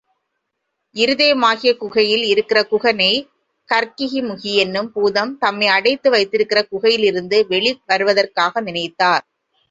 இருதயமாகிய குகையில் இருக்கிற குகனை, கற்கிமுகி என்னும் பூதம் தம்மை அடைத்து வைத்திருக்கிற குகையிலிருந்து வெளி வருவதற்காக நினைத்தார்.